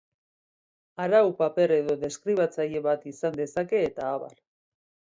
Arau paper edo deskribatzaile bat izan dezake, eta abar.